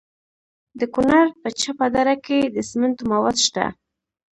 د کونړ په چپه دره کې د سمنټو مواد شته.